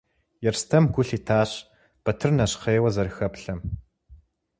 Ерстэм гу лъитащ Батыр нэщхъейуэ зэрыхэплъэм.